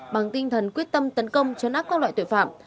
bằng tinh thần quyết tâm tấn công chấn áp các loại tội phạm